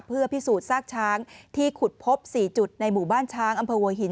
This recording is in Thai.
เพื่อพิสูจน์ซากช้างที่ขุดพบ๔จุดในหมู่บ้านช้างอำเภอหัวหิน